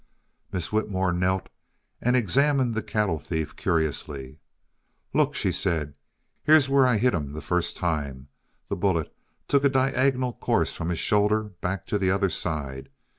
Miss Whitmore knelt and examined the cattle thief curiously. "Look," she said, "here's where I hit him the first time; the bullet took a diagonal course from the shoulder back to the other side.